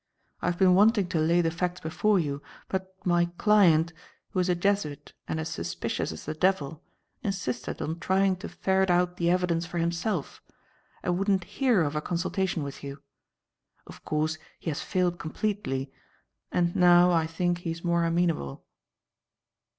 I have been wanting to lay the facts before you, but my client, who is a Jesuit and as suspicious as the devil, insisted on trying to ferret out the evidence for himself and wouldn't hear of a consultation with you. Of course he has failed completely, and now, I think, he is more amenable."